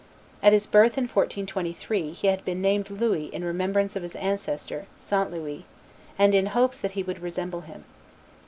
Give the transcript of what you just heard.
At his birth in 1423, he had been named Louis in remembrance of his ancestor, St. Louis, and in hopes that he would resemble him.